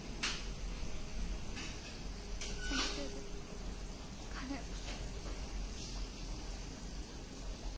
そのせいで彼は。